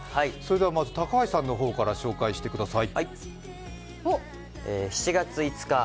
まず高橋さんの方から紹介してください。